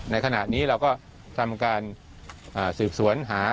ในขณะนี้เราก็ทำการสืบสวนหา